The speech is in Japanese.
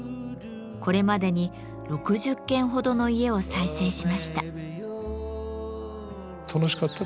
これまでに６０軒ほどの家を再生しました。